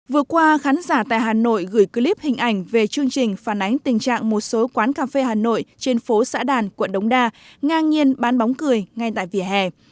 vừa qua khán giả tại hà nội gửi clip hình ảnh về chương trình phản ánh tình trạng một số quán cà phê hà nội trên phố xã đàn quận đống đa ngang nhiên bán bóng cười ngay tại vỉa hè